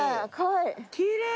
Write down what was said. きれい！